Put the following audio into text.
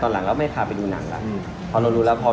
หลังแล้วไม่พาไปดูหนังแล้ว